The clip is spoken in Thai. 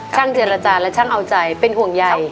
เจรจาและช่างเอาใจเป็นห่วงใหญ่